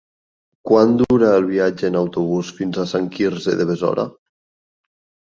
Quant dura el viatge en autobús fins a Sant Quirze de Besora?